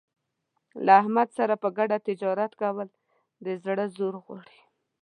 له احمد سره په ګډه تجارت کول د زړه زور غواړي.